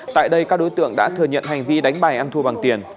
tại đây các đối tượng đã thừa nhận hành vi đánh bài ăn thua bằng tiền